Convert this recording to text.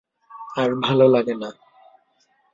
আর ভালো লাগে না।